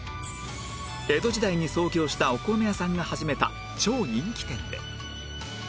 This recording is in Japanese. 江戸時代に創業したお米屋さんが始めた超人気店で